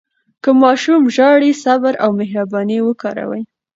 که ماشوم ژاړي، صبر او مهرباني وکاروئ.